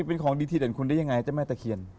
เป็นของดีที่เด่นคุณได้ยังไงเจ้าแม่ตะเคียน